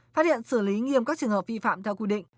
phát hiện xử lý nghiêm các trường hợp vi phạm theo quy định